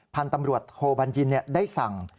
พันธ์ตำรวจโทบันยินเนี่ยได้สั่ง